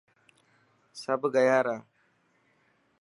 سڀ گيا را.